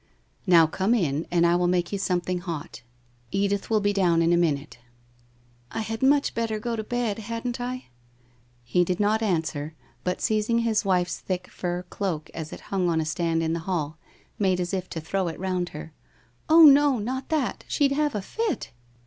' Now come in and I will make you something hot. Edith will be down in a minute.' ' I had much better go to bed, hadn't I ?' He did not answer, but seizing his wife's thick fur cloak as it hung on a stand in the hall, made as if to throw it round her. 1 Oh, no, not that. She'd have a fit